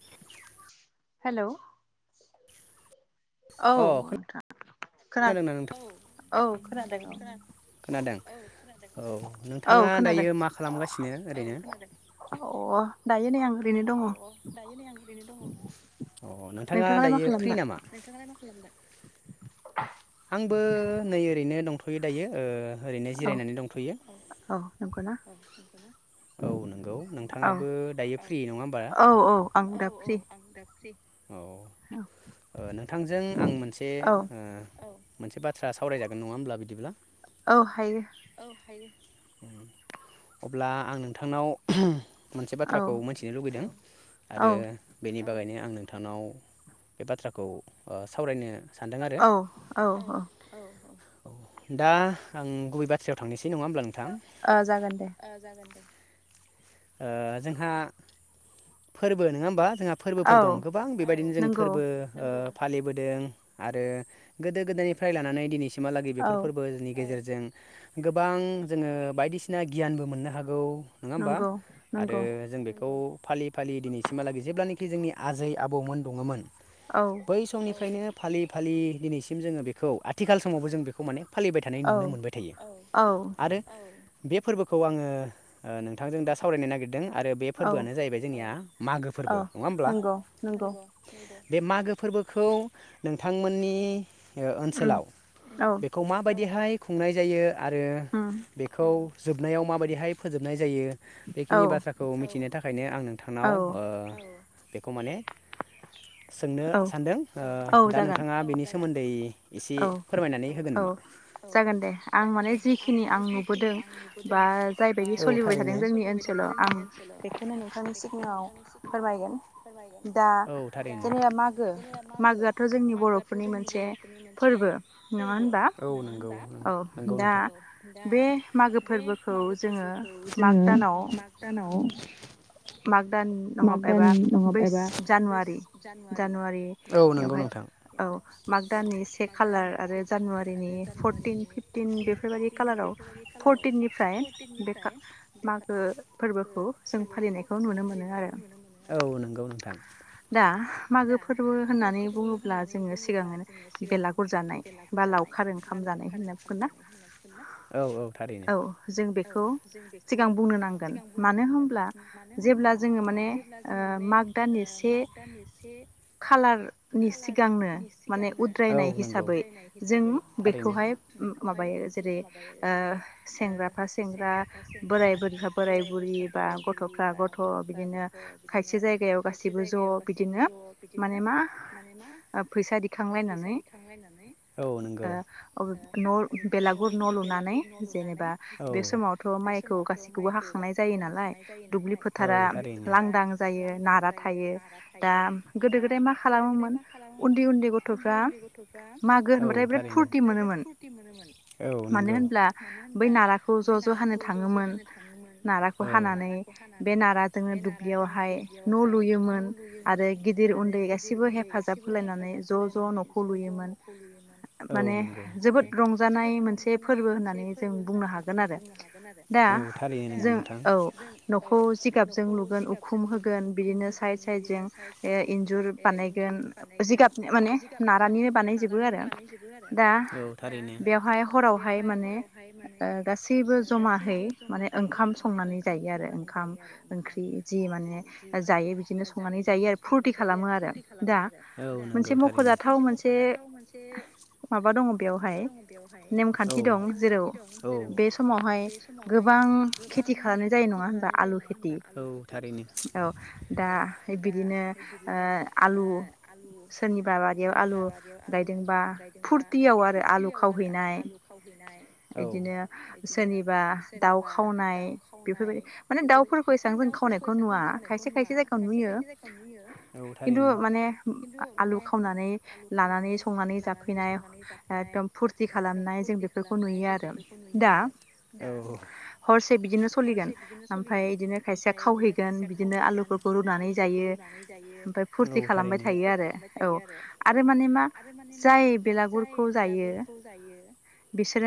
[unintelligible] Hello. अ खोना [unintelligible] ना नोंथां औ खोनादों खोनादों औ खोनादों। औ नोंथाङा दायो मा खालामगासिनो ओरैनो। दायो नै आं अ दायो नै आं ओरैनो दङ अ नोंथाङा दायो फ्रि नामा नोंथांङलाय मा खालामदों। [unintelligible] आंबो नै ओरैनो दं। थयो दायो ओ ओरैनो जिरायनानै दंथयो। औ नोंखौ ना औ नंगौ नोंथाङाबो दायो फ्रि नङा होमबा औ औ आं दा फ्रि। औ ओ नोंथांजों आं मोनसे ओ औ। मोनसे बाथ्रा सावरायजागोन नङा होमब्ला बिदिब्ला। औ हायो। उम। अब्ला आं नोंथांनाव मोनसे बाथ्राखौ मोनथिनो लुबैदों आरो बेनि बागायनो आं नोंथांनाव बे बाथ्राखौ ओ सावरायनो सानदों आरो औ। औ दा आं गुबै बाथ्रायाव थांनोसै। नङा होमब्ला नोंथां। ओ जागोन दे। ओ जोंहा फोरबो नङा होमबा। जोंहा फोरबोफोर दं गोबां बेबायदिनो जों फोरबो ओ फालिबोदों आरो गोदो गोदायनिफ्राय लानानै दिनैसि सिमहालागै बेफोर फोरबोनि गेजेरजों जों गोबां जोङो बायदिसि गियानबो मोननो हागौ। नोङा होमबा आरो जों बेखौ फालि फालि दिनैसिमहालागै जेलानोाखि जोंनि आजै आबौमोन दङमोन बै समनिफ्रायनो फालि फालि दिनैसिम जोङो बेखौ आथिखाल समावबो जों बेखौ माने फालिबाय थानाय नुनो मोनबाय थायो औ आरो औ। बे फोरबोखौ आङो ओ नोंथांजों दा सावरायनो नागिर दों आरो बे फोरबोआनो जाहैबाय जोंनिया मागो फोरबो नङा होमब्ला। बे मागो फोरबोखौ नोंथांमोननि ओनसोलाव बेखौ माबायदि हाइ खुंनाय जायो। आरो बे खौ जोबनायाव माबायदिहाय फोजोबनाय जायो। बेखिनि बाथ्राखौ मिथिनो थाखायनो आं नोंथांनाव ओ। बेखौ माने सोंनो सानदों ओ दा नोंथाङा बेनि सोमोन [unintelligible] औ औ जागोन दे आं माने जिखिनि आं नुबो बोदों दा जायबायदि सोलिबोबाय थादों जोंनि ओनसोलाव आं बेखौनो नोंथांनि सिगाङाव फोरमायगोन दा जेनेबा मागो मागोआथ' जोंनि बर'फोरनि मोनसे दा बे फोरबो‌ औ नंगौ नंगौ नोंथां। मागो फोरबोखौ जोङो माग दानाव माग दानाव नङा एबा बैस जानुवारि जानुवारियावहाय औ माग दाननि सेक खालार आरो जानुवारिनि फरटिन फिफटिन बेफोरबायदि खालाराव खालाराव फरटिननिफ्राय बे मागो फोरबोखौ जों फालिनायखौ नुनो मोनो औ नंगौ नोंथां दा मागो फोरबो होननानै बुङोब्ला जोङो सिगां बेलागुर जानाय बा लावखार ओंखाम जानाय नंगौना औ औ औ जों बेखौ सिगां बुंनो नांगोन मानो होमब्ला जेब्ला जोङो माने माग दाननि से खालारनि सिगांनो माने उद्रायनाय हिसाबै जों बेखौहाय माबायो जेरै ओ सेंग्राफ्रा सेंग्रा बोराय बुरिफ्रा बोराय बुरि बा गथ'फ्रा गथ' बिदिनो खायसे जायगायाव गासिबो ज' बिदिनो माने मा फैसा दिखांलायनानै न' बेलागुर न' लुनानै जेनेबा बे समावथ' माइखौ गासैखौबो हाखांनाय जायो नालाय दुब्लि फोथारा लांदां जायो नारा थायो दा गोदो गोदाय मा खालामोमोन उन्दै उन्दै गथ'फ्रा औ थारैनो औ नंगौ। बै नाराखौ ज' ज' हानो थाङोमोन नाराखौ हानानै बे नारा जोङो दुब्लियावहाय न लुयोमोन आरो गिदिर उन्दै गासैबो हेफाजाब होलायनानै ज' ज' नख खौ लुयोमोन माने जोबोद रंजानाय मोनसे फोरबो होननानै औ थारैनो नोंथां [unintelligible] नारानिनो बानायजोबो आरो दा बेवहाय हरावहाय माने [unintelligible] औ नोंगौ थारैनो। थाव मोनसे माबा दङ बेयावहाय नेमखान्थि दं जेर बे समावहाय गोबां खेथि खालामनाय जायो नङा होनबा आलु खेथि औ दा बिदिनो ओ आलु सोरनिबा बा सोरनिबा बारियाव आलु गायदोंबा फुरथियाव आरो आलु खावहैनाय इदिनो सोरनिबा दाउ खावनाय बेफोरबायदि माने दाउफोरखौ एसेबां जों खावनायखौ नुवा खायसे खायसे जायगायाव नुयो खिन्थु माने आलु खा नानै लानानै संनानै जाफैनाय एखदम फुरथि खालामनाय जों बेफोरखौ नुयो आ जों बेफोरखौ नुयो औ आरो औ हरसे बिदिनो सलिगोन ओमफ्राय बिदिनो खायसेया खावहैगोन बिदिनो आलुफोरखौ रुनानै जायो औ थारैनो फुरथि खालामबाय थायो आ आरो औ आरो माने मा जाय बेलागुरखौ जायो।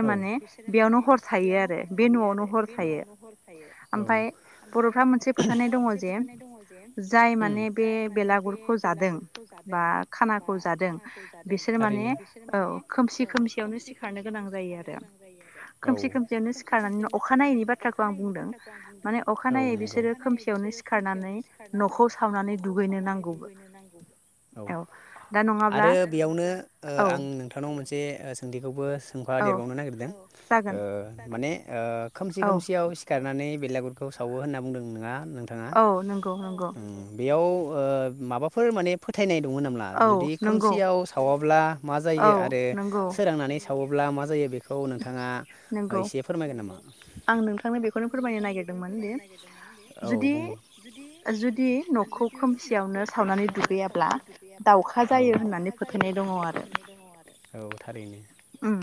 औ बिसोरो माने बेयावनो हर थायो आरो बे न'आवनो हर थायो औ आमफ्राय दा मोनसे फोथानायनाय दङ' जे जाय माने बे बेलागुरखौ जादों। नाखौ जादों बिसोर माने औ खोमसि खोमसियावनो सिखारनो गोनां जायो। खारनो गोनां जायो आरो औ खोमसि खोमसियावनो सिखारनानै अखानायैनि बाथ्राखौ आं बुंदों औ नंगौ माने अखानायनायै बिसोरो खोमसियावनो सिखारनानै न'खौ सावनानै दुगैनो नांगौ औ। आरो बेयावनो ओ आं नोंथांनाव मोनसे सोंथिखौबो बा देरबावनो नागिरदों ओ माने ओ खोमसि खोमसियाव सिखारनानै। बेलागुरखौ सावो होनना बुंदों नोङा औ नंगौ नंगौ। बेयाव ओ माबाफोर माने फोथायनाय दंमोन नामा जुदि खोमसियाव सावाब्ला मा जायो आरो सोरांनानै स ब्ला मा जायो बे खौ नोंथांङा एसे फोरमायगोन नामा। आं नोंथांनो बेखौनो फोरमायनो नागिरदोंमोन दि औ बुं जुदि जुदि नखौ खोमसियावनो सावनानै दुगैयाब्ला औ दाउखा जायो होननानै फोथायनाय दङ आरो औ थार ओरैनो उम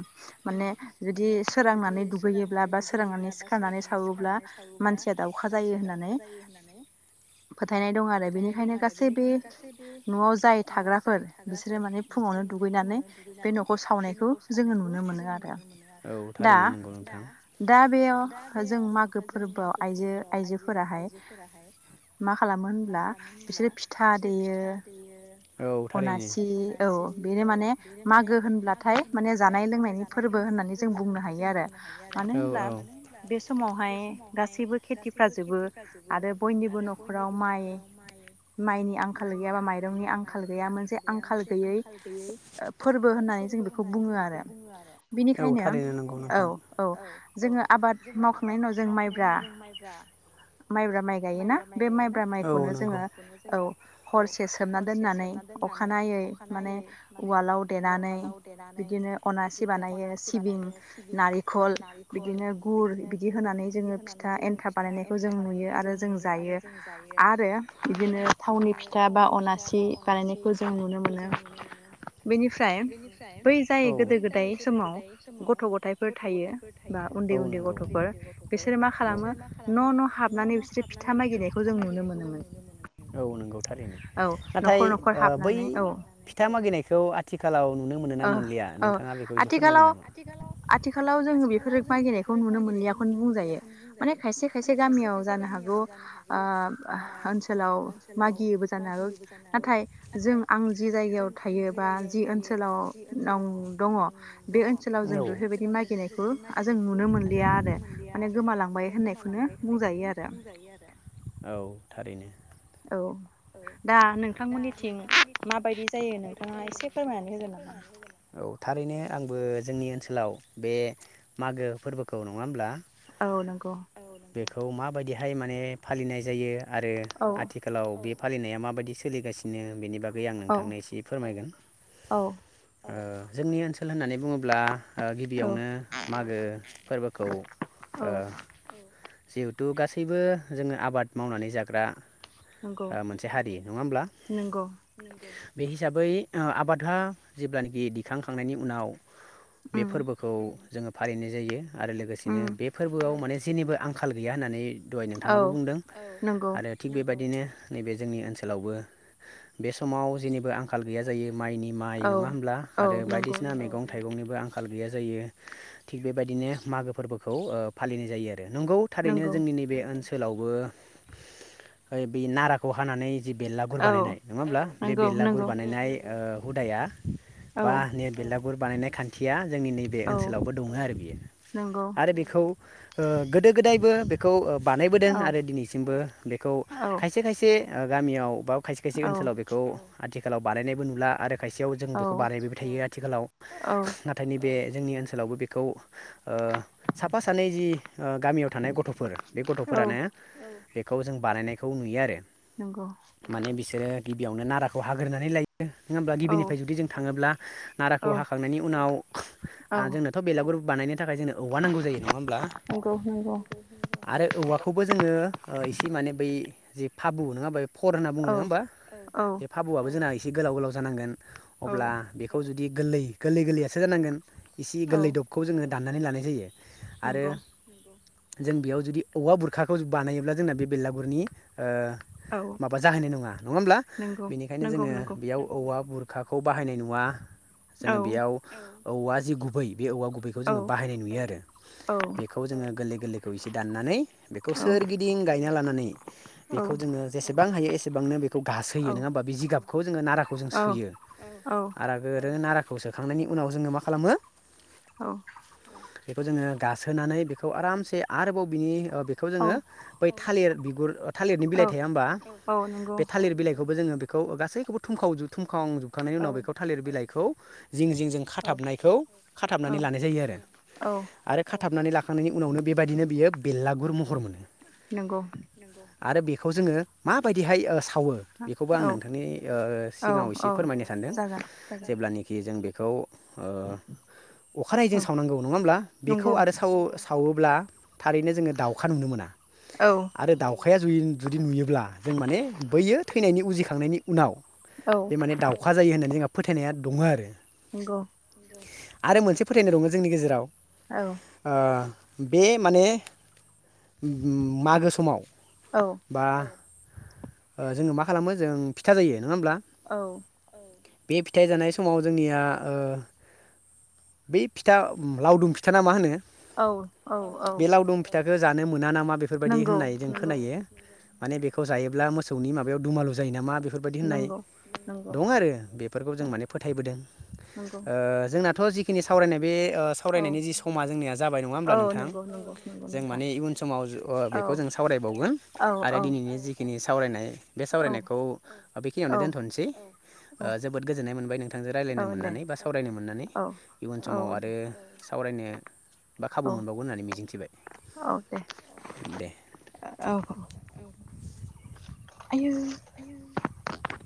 माने जुदि सोरांनानै दुगैयोब्ला बा सोरांनानै सिखारनानै सावोब्ला मानसिया दावखा जायो होननानै फोथायनाय दं आरो बेनिखायनो गासै बे न'आव जाय थाग्राफोर बिसोरो माने फुंङावनो दुगैनानै बे नखौ सावनाय खौ सावनायखौ जोंङो नुनो मोनो आरो औ थारैनो नंगौ नोंथां दा दा बेयाव जों मागो फोरबोआव आजो आइजोफोराहाय मा खालामो होनब्ला बिसोरो फिथा देयो औ थारैनो अनासि औ बेनो माने माग गो होनब्लाथाय माने जानाय लोंनाय फोरबो होननानै जों बुंनो हायो आरो औ औ मानो होनब्ला बे समावहाय गासैबो खेथिफ्र जोबो आरो बयनिबो न'खराव माइ माइनि आंखाल गैया बा माइरंनि आंखाल गैया मोनसे आंखाल गैयै फोर खौ बुंङो आरो बिनिखायनो औ औ जोंङो आबाद मावखांनायनि उनाव जों माइब्रा माइब्रा माइ गायोना बे माइब्रा माइखौनो जोंङो औ हरसे सोमना दोननानै अखानायै माने उवालाव देनानै। बिदिनो अनासि बानायो सिबिं नारखल बिदिनो गुर बिदि होनानै जोङो फिथा एन्थाब बानायनायखौ जों नुयो आरो जों जायो आरो बिदिनो थावनि फिथा बा अनासि बानायनायखौ जों नुनो मोनो बेनिफ्राय। जाय गोदो गोदाय समाव गथ'गथायफोर थायो औ नगौ उन्द उन्दै ग'थफोर बिसोरो मा खालामो न' न' हाबनानै बिसोर फिथा मागिनायखौ जों नुनो मोनो औ नोंगौ थारैनो नाथाय बै फिथा मागिनायखौ आथिखालाव। ओ अ आथिखालाव आथिखालाव जोङो बेफोर मागिनायखौ नुनो मोनलियाखौनो बुंजायो माने खायसे खायसे गामियाव जानो हागौ ओनसोलाव मागियोबो जानो हागौ नाथाय जों आं जि जायगायाव थायो बा जि ओनसोलाव। ओनसोलाव दङ'औ बे ओनसोलाव जों बेफोरबायदि मागिनायखौ जों नुनो मोनलिया आरो माने गोमालांबाय होननायखौनो बुंजायो आरो। औ थारैनो। औ दा नोंथां मोननिथिं माबायदि जायो नोंथाङा एसे फोरमायनानै होगोन ना। [inaudible] थारैनो आंबो जोंनि ओनसोलाव बे मागो फोरबोखौ नङा होमब्ला। औ नंगौ। बेखौ मा बायदिहाय माने फालिनाय जायो आरो आथिखालाव बे फालिनाया माबायदि सोलिगासिनो बेनि बागै नोंथांनो एसे फोरमायगोन। ओ जोंनि ओनसोल होननानै बुङोब्ला ओ गिबियावनो मागो फोरबोखौओ जिहेथु गासैबो जोङो आबाद मावनानै जाग्रा मोनसे हारि नङा होमब्ला बे हिसाबै आबादआ जेब्ला नाखि दिखां खांनायनि उनाव बे फोरबोखौ जोङो फालिनाय जायो। आरो लोगोसेनो बे फोरबोआव माने जेनिबो आंखाल गैया होननानै दहाय नोंथाङाबो बुंदों आरो थिग बेबायदिनो। नैबे जोंनि ओनसोलावबो बे समाव जेनिबो आंखाल गैया जायो। माइनि माइ नङा होमब्ला आरो बायदिसिना मैगं थाइगंनिबो आं आंखाल गैया जायो थिग बेबायदिनो मागो फोरबोखौ फालिनाय जायो आरो। नंगौ थारैनो जोंनि नैबे ओनसोल लावबो बे नाराखौ हानानै जि बेरलागुर बानायनाय, नङा होब्ला? बे बेरलागुर बानायनाय ओ हुदाया बा [unintelligible] गुर बानायनाय खान्थिया जोंनि नैबे ओनसोलावबो दङो आरो बियो आरो बेखौ ओ गोदो गोदायबो बेखौ ओब बानायबोदों आरो दिनैसिमबो बेखौ खायसे-खायसे ओ गामियाव बा खायसे खायसे ओनसोलाव बेखौ आथिखालाव बानायनायबो नुला आरो खायसे जों बेखौ बानायबोबाय थायो आथिखालाव नाथाय नै बे जोंनि ओनसोलावबो बेखौ ओ साफा सानै जि ओ गामियाव थानाय गथफोर बे गथफोरानो। खौ जों बानायनायखौ नुयो आरो। माने बिसोरो गिबियावनो नारा खौ हाग्रोनानै लायो ङो होनबा गिबि दि जों थांङोब्ला नाराखौ हाखांनायनि उनाव जोंनोथ बे ग्रुप बानायनो थाखाय जोंनो औवा नांगौ जायो नंङा होमब्ला? आरो औवाखौबो ओ जोंङो एसे माने बै जे फाबु नंङा फर होनना बुङो नङा होमबा बे फाबुआबो जोंना एसे गोलाव गोलाव जानांगोन अब्ला बेखौ जु बि गोरलै गोरलै गोरलैयासो जानांगोन। एसे गोरलै दबखौ जोंङो दाननानै लानाय जायो। नंगौ। जों बेयाव जुदि औवा बुरखाखौ बानायोब्ला जोंना बेलागुरनि ओ माबा जाहैनाय नंङा नंङा होमब्ला? बेनिखायनो जोंङो बेयाव औवा बुर खाखौ बाहायनाय नुवा जोंङो बेयाव औवाजि गुबै बे औवा गुबैखौ जोंङो बाहायनाय नुयो आरो बेखौ जोंङो गोरलै गोरलैखौ एसे दाननानै बेखौ सोरगिदिं गायना लानानै बेखौ जोंङो जेसेबां हायो एसेबांनो बेखौ गासोयो नंङा होमबा बे जिगाबखौ जोंङो नाराखौ जों सोयो [unintelligible] बेखौ सोखांनायनि उनाव जोंङो मा खालामो औ बेखौ जोंङो गासोनानै बेखौ आरामसे आरोबाव बिनि बेखौ जोंङो बै थालिर गुर थालिरनि बिलाइ थाया होमबा? बे थालिर बिलाइखौबो जोंङो खौ गासैखौबो [unintelligible] हुखांनायनि उनाव बेखौ थालिर बिलाइखौ जिं जिं जों खाथाबनायखौ खाथाबनानै लानाय जायो आरो आरो खाथाबनानै लाखांनायनि उनावनो बेबादिनो बियो बेलागुर महर मोनो आरो बेखौ जोङो मा बायदिहाय ओ खावो बेखौबो आं नोंथांनि ओ सिगाङाव एसे फोरमायनो सानदों जेब्लानाखि जों बे औ ओ अखानायै जों सावनांगौ नङा होमब्ला बेखौ आरो सावो सावो [unintelligible] थारैनो जोङो दाउखा नुनो मोना आरो दाउखाया जुदि नुयोब्ला जों माने बैयो थैनायनि उजिखांनायनि उनाव। माने दावखा जायो होननानै जोंहा फोथायनाया दङ आरो। [inaudible] आरो मोनसे फोथायनाय दङ जोंनि गेजेराव ओ बे माने ओ ओम-मागो समाव। बा ओ जोङो मा खालामो जों फिथा जायो नोंङा होमब्ला? औ। बे फिथाइ जानाय समाव जोंनिया ओ बे फिथा लावदुम फिथा ना मा होनो। औ औ औ [unintelligible] जानो मोन ना नामा बेफोरबायदि होननाय जों खोनायो। माने बेखौ जायोब्ला मोसौनि माबायाव दुमालु जायो नामा बे बेफोरबायदि होननाय दं आरो बेफोरखौ जों माने फोथायबोदों ओ जोंना धजिक खिनि सावरायनाय बे ओ सावरायनायनि जि समा जोंनिया जाबाय नङा होमब्ला नोंथां जों माने इयुन समाव ओ बेखौ जों सावरायबावगोन आरो दिनैनि जिखिनि सावरायनाय बे सावरायनायखौ बेखिनियावनो दोनथनोसै ओ जोबोद गोजोननाय मोनबाय नों बिथांजो रायलायनो मोननानै बा सावरायनो मोननानै समाव आरो सावरायनो बा खाबु मोनबावगोन होननानै मिजिंथिबाय दे। [inaudible]